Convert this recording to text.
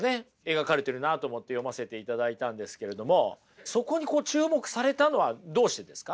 描かれてるなと思って読ませていただいたんですけれどもそこにこう注目されたのはどうしてですか？